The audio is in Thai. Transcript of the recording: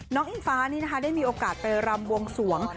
อิงฟ้านี่นะคะได้มีโอกาสไปรำบวงสวง